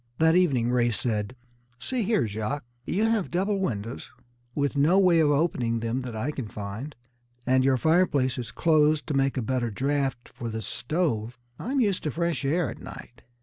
That evening Ray said: "See here, Jacques, you have double windows, with no way of opening them that I can find, and your fireplace is closed to make a better draft for this stove. I'm used to fresh air at night.